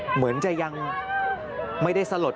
เหมือนจะยังไม่ได้สลด